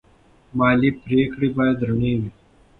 مالي پریکړې باید رڼې وي.